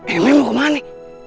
emek mau kemana